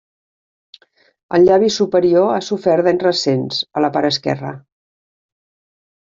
El llavi superior ha sofert danys recents, a la part esquerra.